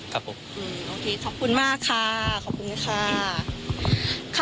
โอเคขอบคุณมากค่ะขอบคุณค่ะ